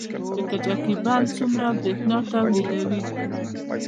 د کجکي بند څومره بریښنا تولیدوي؟